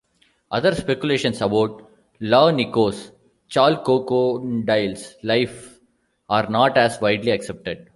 Other speculations about Laonikos Chalkokondyles' life are not as widely accepted.